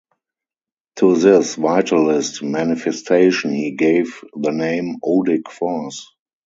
To this vitalist manifestation he gave the name "Odic force".